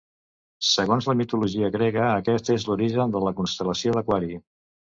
Segons la mitologia grega, aquest és l'origen de la constel·lació d'Aquari.